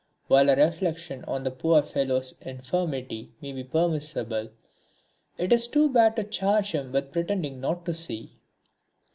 While a reflection on the poor fellow's infirmity may be permissible, it is too bad to charge him with pretending not to see.